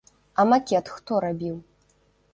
А макет хто рабіў?